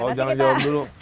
oh jangan jawab dulu